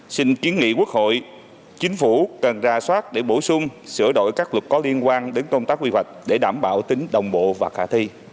xin kiến nghị quốc hội chính phủ cần ra soát để bổ sung sửa đổi các luật có liên quan đến công tác quy hoạch để đảm bảo tính đồng bộ và khả thi